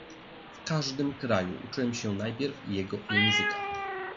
"W każdym kraju uczyłem się najpierw jego języka."